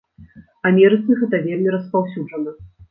Амерыцы гэта вельмі распаўсюджана.